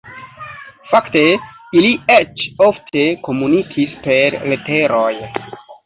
Fakte, ili eĉ ofte komunikis per leteroj.